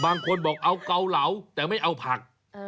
บางคนบอกเอาเกาเหลาแต่ไม่เอาผัก